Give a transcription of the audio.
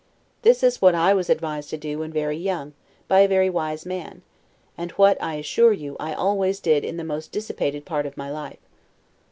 This is what I was advised to do when very young, by a very wise man; and what, I assure you, I always did in the most dissipated part of my life.